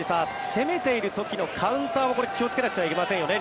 攻めている時のカウンターにも気をつけなくてはいけませんよね